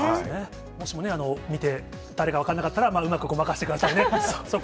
もしも見て、誰か分からなかったら、うまくごまかしてくださいね。